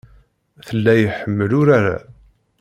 Tella iḥemmel urar-a.